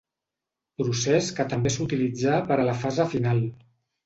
Procés que també s'utilitzà per a la fase final.